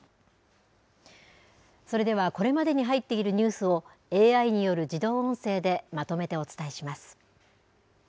それでは、これまでに入っているニュースを、ＡＩによる自動音声でまとめてお伝えします。